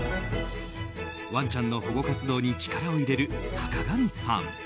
ワンちゃんの保護活動に力を入れる坂上さん。